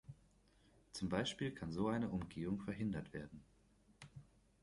Zum Beispiel kann so eine Umgehung verhindert werden.